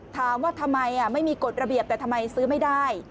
ถามว่าทำไมไม่มีกฎระเบียบแต่ทำไมซื้อไม่ได้